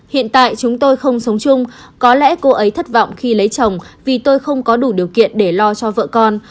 hiện tại chúng tôi không sống chung có lẽ cô ấy thất vọng khi lấy chồng vì tôi không có đủ điều kiện để lo cho vợ con